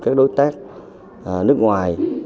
các đối tác nước ngoài